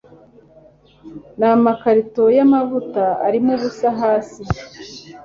n'amakarito y'amata arimo ubusa hasi